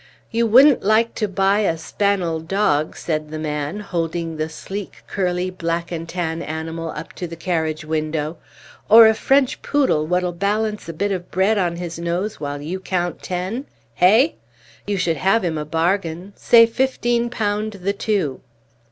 "You wouldn't like to buy a spannel dawg," said the man, holding the sleek, curly, black and tan animal up to the carriage window, "or a French poodle what'll balance a bit of bread on his nose while you count ten? Hey? You should have him a bargain say fifteen pound the two."